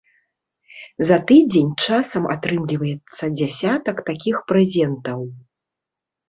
За тыдзень часам атрымліваецца дзясятак такіх прэзентаў.